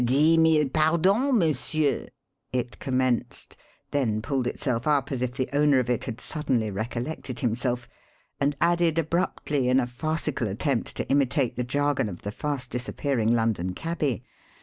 "Dix mille pardons, m'sieur," it commenced, then pulled itself up as if the owner of it had suddenly recollected himself and added abruptly in a farcical attempt to imitate the jargon of the fast disappearing London cabby.